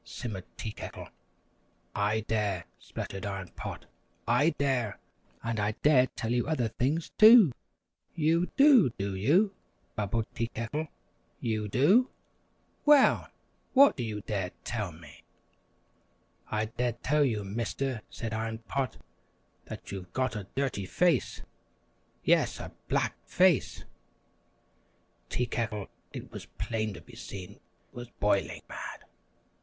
simmered Tea Kettle. "I dare," sputtered Iron Pot. "I dare, and I dare tell you other things, too!" [Illustration: "Who dares correct me?" "I dare!"] "You do, do you?" bubbled Tea Kettle. "You do! Well, what do you dare tell me?" "I dare tell you, Mister," said Iron Pot, "that you've got a dirty face yes, a black face." Tea Kettle, it was plain to be seen, was boiling mad.